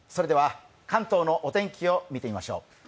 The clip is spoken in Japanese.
関東のお天気を見てみましょう。